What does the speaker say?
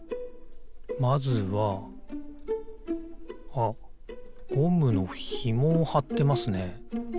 あっゴムのひもをはってますね。